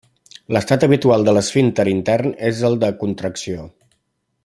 L'estat habitual de l'esfínter intern és el de contracció.